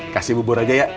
kasih bubur aja ya